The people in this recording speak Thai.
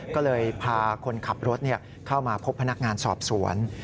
ก็เลยพาคนขับรถเข้ามาพบพนักงานสอบสวน